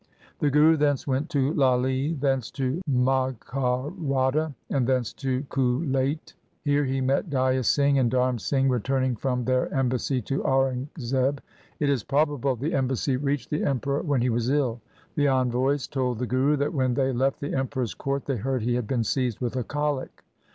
The Guru thence went to Lali, thence to Mag haroda, and thence to Kulait. Here he met Day a Singh and Dharm Singh returning from their em bassy to Aurangzeb. It is probable the embassy reached the Emperor when he was ill. The envoys LIFE OF GURU GOBIND SINGH 229 told the Guru that when they left the Emperor's court they heard he had been seized with a colic.